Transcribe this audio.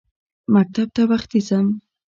مکتب ته وختي ځم.